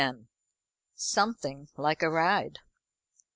Something like a Ride.